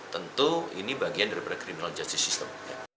tentu ini bagian daripada criminal justice system